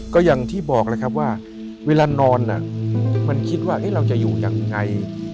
ก็อย่างที่บอกแล้วครับว่าเวลานอนมันคิดว่าเราจะอยู่ยังไง